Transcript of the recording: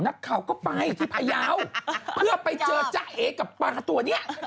นักข่าก็ไปที่ประยาวเพื่อไปเจอจ้าเอ๊กกับปลากับตัวเนี่ย